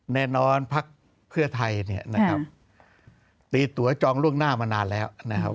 พักเพื่อไทยเนี่ยนะครับตีตัวจองล่วงหน้ามานานแล้วนะครับ